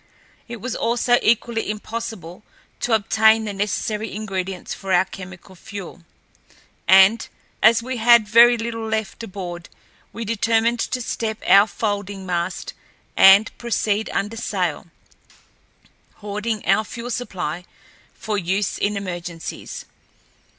It was also equally impossible to obtain the necessary ingredients for our chemical fuel, and, as we had very little left aboard, we determined to step our folding mast and proceed under sail, hoarding our fuel supply for use in emergencies.